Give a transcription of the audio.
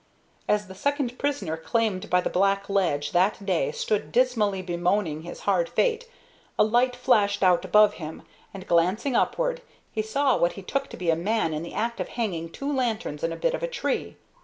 As the second prisoner claimed by the black ledge that day stood dismally bemoaning his hard fate, a light flashed out above him, and, glancing upward, he saw what he took to be a man in the act of hanging two lanterns to a bit of a tree.